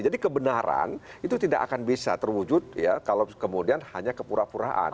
jadi kebenaran itu tidak akan bisa terwujud ya kalau kemudian hanya kepura puraan